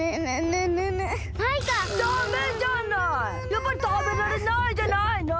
やっぱりたべられないじゃないの！